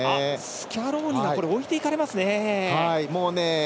スキャローニが置いていかれますね。